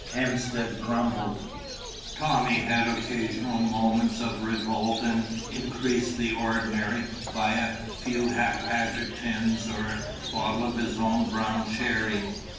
Hemstead grumbled; Tommy had occasional moments of revolt and increased the ordinary by a few haphazard tins or a bottle of his own brown sherry.